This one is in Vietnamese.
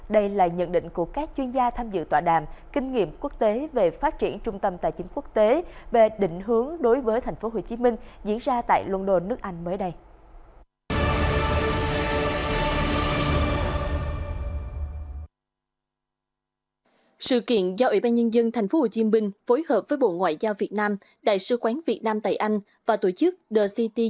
đây là nhận định của các chuyên gia tham dự tòa đàm kinh nghiệm quốc tế về phát triển trung tâm tài chính quốc tế